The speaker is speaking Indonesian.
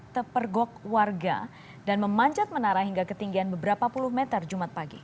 terpergok warga dan memanjat menara hingga ketinggian beberapa puluh meter jumat pagi